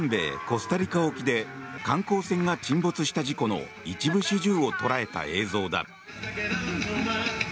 コスタリカ沖で観光船が沈没した事故の一部始終を捉えた映像だ。